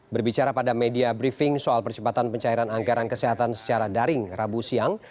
berbicara pada media briefing soal percepatan pencairan anggaran kesehatan secara daring rabu siang